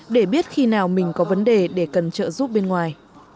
để biết khi nào mình có vấn đề để cần trợ giúp bên ngoài